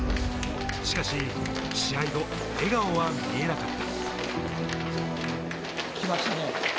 しかし試合後、笑顔は見えなかった。